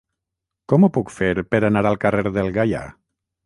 Com ho puc fer per anar al carrer del Gaià?